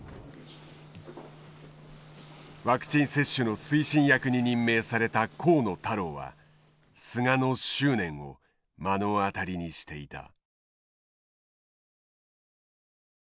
ワクチン接種の推進役に任命された河野太郎は菅の執念を目の当たりにしていた。